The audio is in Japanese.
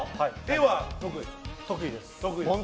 得意です。